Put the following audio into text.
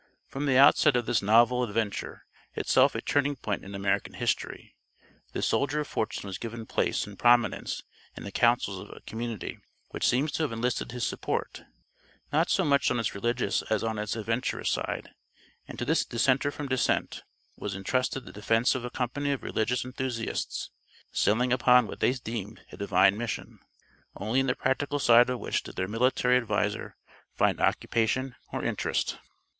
From the outset of this novel "adventure" itself a turning point in American history this soldier of fortune was given place and prominence in the councils of a community which seems to have enlisted his support, not so much on its religious as on its adventurous side; and to this "dissenter from dissent" was intrusted the defence of a company of religious enthusiasts, sailing upon what they deemed a divine mission, only in the practical side of which did their military adviser find occupation or interest.